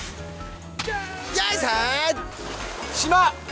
「島」！